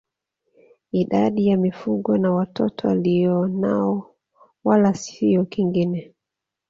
Idadi ya mifugo na watoto alionao wala sio kingine